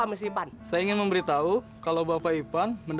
eh ini mah ribut banget